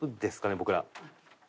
僕ら。